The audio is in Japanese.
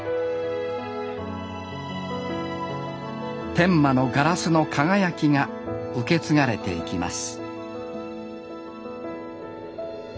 天満のガラスの輝きが受け継がれていきます